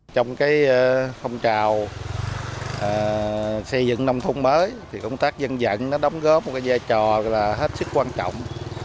trong phong trào xây dựng nông thôn mới công tác dân dận đóng góp một giai trò hết sức quan trọng